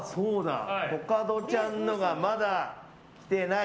コカドちゃんのがまだ来てない。